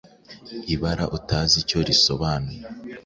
ibara utazi icyo risobanuye